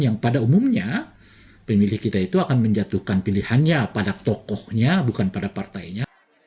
yang pada umumnya pemilih kita itu akan menjatuhkan pilihannya pada tokohnya bukan pada partainya